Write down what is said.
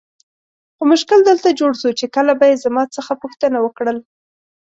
خو مشکل دلته جوړ سو چې کله به یې زما څخه پوښتنه وکړل.